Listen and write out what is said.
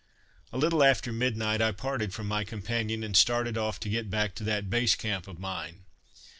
A little after midnight I parted from my companion and started off to get back to that Base Camp of mine.